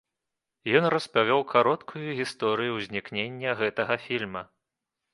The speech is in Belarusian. Ён распавёў кароткую гісторыю ўзнікнення гэтага фільма.